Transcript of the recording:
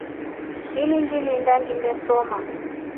Ini ngilinda nginesoma.